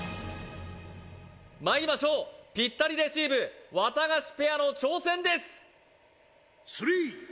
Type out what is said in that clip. まいりましょうピッタリレシーブワタガシペアの挑戦です！